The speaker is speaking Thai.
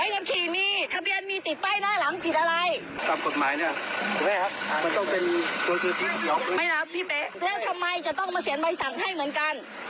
แต่จริงผิดกฎหมายนะ